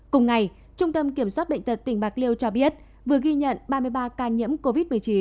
cùng ngày trung tâm kiểm soát bệnh tật tỉnh bạc liêu cho biết vừa ghi nhận ba mươi ba ca nhiễm covid một mươi chín